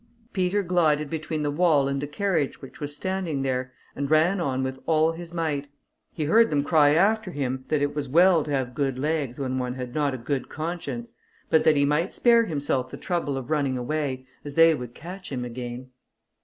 Peter glided between the wall and a carriage, which was standing there, and ran on with all his might; he heard them cry after him, that it was well to have good legs when one had not a good conscience, but that he might spare himself the trouble of running away, as they would catch him again.